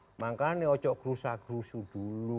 sedangkan ini ojo krusa krusu dulu